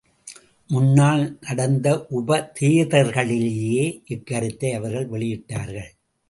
முன்னால் நடத்த உபதேர்தல்களிலேயே இக்கருத்தை அவர்கள் வெளியிட்டார்கள்.